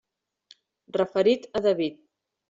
Referit a David.